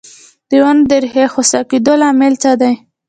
د ونو د ریښو د خوسا کیدو لامل څه دی؟